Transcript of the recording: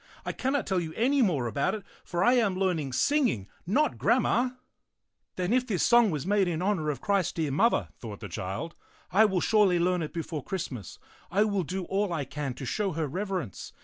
I can not tell you any more about it, for I am learning singing, not grammar." "Then if this song was made in honor of Christ's dear Mother," thought the child, " I will surely learn it before Christmas. I will do all I can to show her reverence.